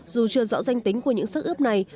dù chưa rõ danh tính của những sức ướp này